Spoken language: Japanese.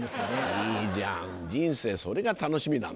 いいじゃん人生それが楽しみなんだよ。